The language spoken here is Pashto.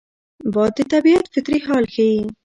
باد د طبیعت فطري حال ښيي